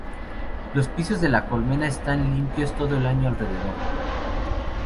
Los pisos de la colmena están limpios todo el año alrededor.